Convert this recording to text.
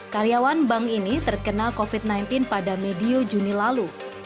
karyawan bank ini terkena covid sembilan belas pada medio juni lalu